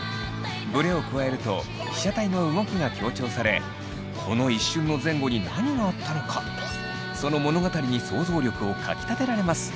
ブレを加えると被写体の動きが強調されこの一瞬の前後に何があったのかその物語に想像力をかきたてられます。